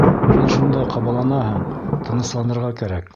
Һин шундай... ҡабаланаһың... тынысланырға кәрәк...